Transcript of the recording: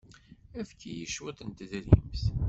Efk-iyi cwiṭ n tedrimt.